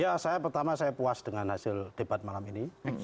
ya saya pertama saya puas dengan hasil debat malam ini